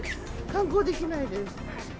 観光できないです。